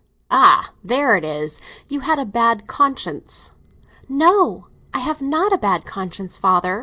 "Ah, there it is! You had a bad conscience." "No, I have not a bad conscience, father!"